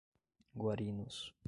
Guarinos